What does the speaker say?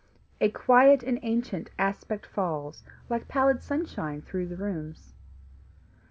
A quaint and ancient aspect falls Like pallid sunshine through the rooms.